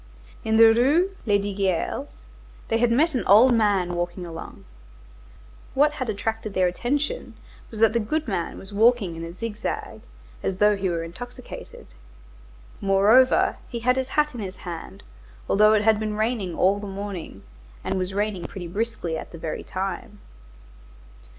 In the Rue Lesdiguières they had met an old man walking along. What had attracted their attention was that the goodman was walking in a zig zag, as though he were intoxicated. Moreover, he had his hat in his hand, although it had been raining all the morning, and was raining pretty briskly at the very time.